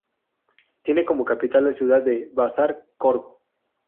Tiene como capital la ciudad de Bazar-Korgon.